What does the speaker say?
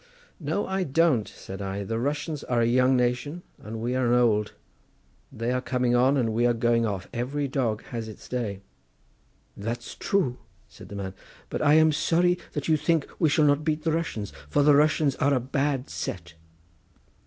"No, I don't," said I; "the Russians are a young nation and we are an old; they are coming on and we are going off; every dog has its day." "That's true," said the man, "but I am sorry that you think we shall not beat the Russians, for the Russians are a bad set."